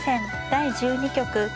第１２局。